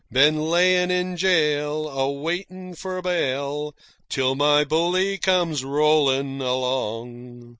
Been layin' in jail, A waitin' for bail, Till my bully comes rollin' along."